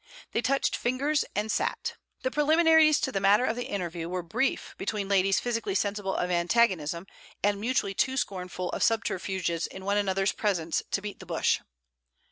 They touched fingers and sat. The preliminaries to the matter of the interview were brief between ladies physically sensible of antagonism and mutually too scornful of subterfuges in one another's presence to beat the bush.